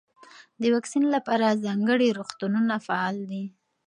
د واکسین لپاره ځانګړي روغتونونه فعال دي.